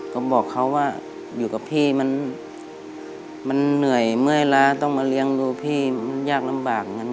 ก็บอกเขาว่าอยู่กับพี่มันเหนื่อยเมื่อยล้าต้องมาเลี้ยงดูพี่มันยากลำบากนั้น